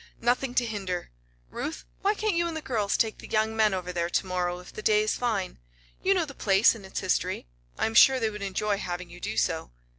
"Nothing to hinder. Ruth, why can't you and the girls take the young men over there to morrow if the day is fine? You know the place and its history. I am sure they would enjoy having you do so."